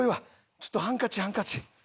「ちょっとハンカチハンカチ」。